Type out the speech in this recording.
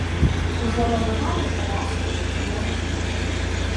Ужо набывалі каляску, ложак?